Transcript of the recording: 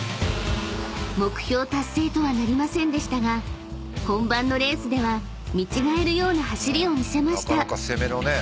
［目標達成とはなりませんでしたが本番のレースでは見違えるような走りを見せました］